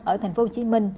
ở thành phố hồ chí minh